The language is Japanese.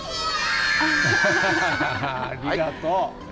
ありがとう。